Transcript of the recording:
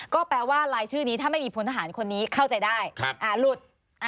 ก็แปลว่ารายชื่อนี้ถ้าไม่มีพลทหารคนนี้เข้าใจได้หลุด